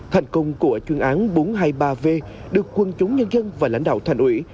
thành công của chuyên án bốn trăm hai mươi ba v được quân chúng nhân dân và lãnh đạo thành ủy